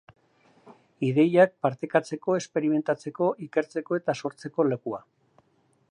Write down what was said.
Ideiak partekatzeko, esperimentatzeko, ikertzeko eta sortzeko lekua.